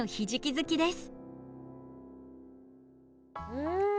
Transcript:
うん。